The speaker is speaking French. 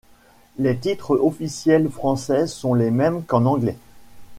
Les titres officiels français sont les mêmes qu'en anglais.